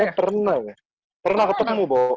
eh pernah ya pernah ketemu bo